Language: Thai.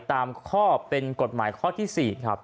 ตามข้อเป็นกฎหมายข้อที่๔ครับ